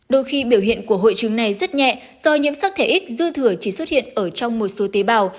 đôi khi biểu hiện của hội chứng này rất nhẹ do nhiễm sắc thể xư thừa chỉ xuất hiện ở trong một số tế bào